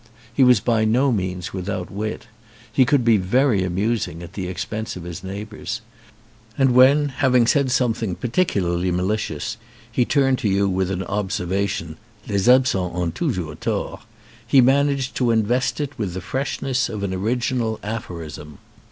He was by no means without wit. He could be very amusing at the expense of his neighbours. And when, having said something peculiarly malicious, he turned to you with an observation "Les absents ont toujours tort," he managed to invest it with the freshness of an original aphorism.